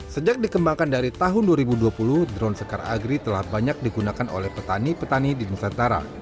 sejak dikembangkan dari tahun dua ribu dua puluh drone sekar agri telah banyak digunakan oleh petani petani di nusantara